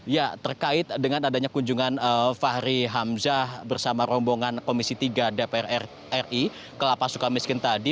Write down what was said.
ya terkait dengan adanya kunjungan fahri hamzah bersama rombongan komisi tiga dpr ri ke lapas suka miskin tadi